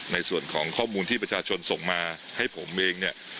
ในส่วนของข้อมูลที่ประชาชนส่งมาให้ผมเองเนี่ย